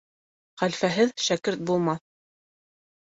Хәлфәһеҙ шәкерт булмаҫ.